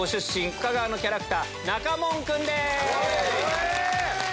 深川のキャラクターなかもんくんです。